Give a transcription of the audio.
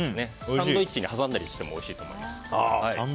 サンドイッチに挟んでもおいしいと思います。